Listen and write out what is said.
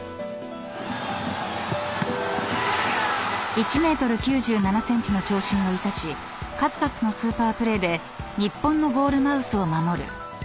［１ｍ９７ｃｍの長身を生かし数々のスーパープレーで日本のゴールマウスを守る］